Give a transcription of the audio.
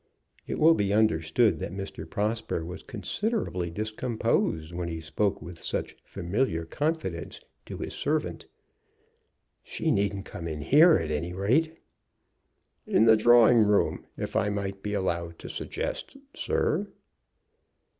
It will be understood that Mr. Prosper was considerably discomposed when he spoke with such familiar confidence to his servant. "She needn't come in here, at any rate." "In the drawing room, if I might be allowed to suggest, sir."